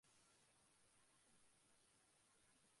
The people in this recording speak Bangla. গায়ত্রীর বিয়ের পরেই চলে যেতে পারবো।